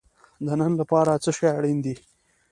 د نن لپاره څه شی اړین دی؟